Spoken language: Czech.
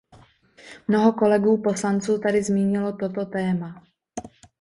Mnoho kolegů poslanců tady zmínilo toto téma.